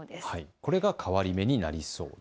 これが変わり目になりそうと。